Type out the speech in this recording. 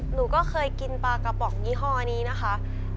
หนูก็เคยกินปลากระป๋องยี่ห้อนี้นะคะ